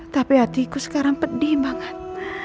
tapi hatiku sekarang pedih banget